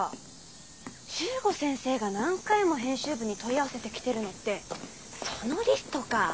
十五先生が何回も編集部に問い合わせてきてるのってそのリストかぁ。